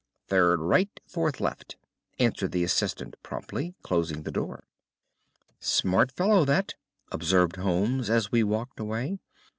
"Third right, fourth left," answered the assistant promptly, closing the door. "Smart fellow, that," observed Holmes as we walked away.